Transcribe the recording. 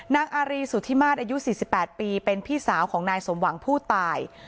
นางอารีสุธิมาสอายุ๔๘ปีเป็นพี่สาวของนายสมหวังผู้ตาย